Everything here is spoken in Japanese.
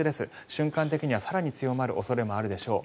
瞬間的には更に強まる恐れもあるでしょう。